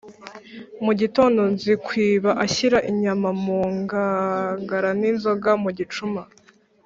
Mu gitondo Nzikwiba ashyira inyama mu nkangara n' inzoga mu gicuma,